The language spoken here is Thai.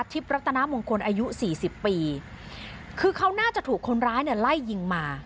รัตนามงคลอายุสี่สิบปีคือเขาน่าจะถูกคนร้ายเนี่ยไล่ยิงมา